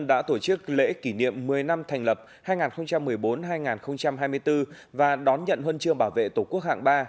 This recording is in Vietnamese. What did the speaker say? đã tổ chức lễ kỷ niệm một mươi năm thành lập hai nghìn một mươi bốn hai nghìn hai mươi bốn và đón nhận huân chương bảo vệ tổ quốc hạng ba